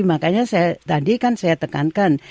makanya saya tadi kan saya tekankan